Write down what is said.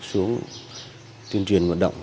xuống tuyên truyền vận động